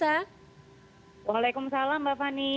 waalaikumsalam mbak fani